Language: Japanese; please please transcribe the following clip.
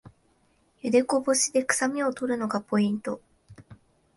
ゆでこぼしでくさみを取るのがポイント